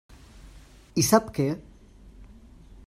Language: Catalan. I sap què?